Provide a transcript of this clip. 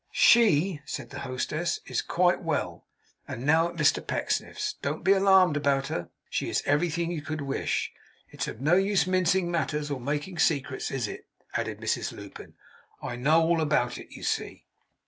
'SHE,' said the hostess, 'is quite well, and now at Mr Pecksniff's. Don't be at all alarmed about her. She is everything you could wish. It's of no use mincing matters, or making secrets, is it?' added Mrs Lupin. 'I know all about it, you see!